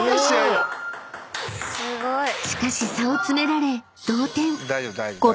［しかし差を詰められ］